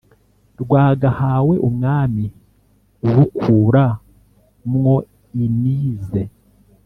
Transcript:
rwagahawe umwami urukura mwo imize,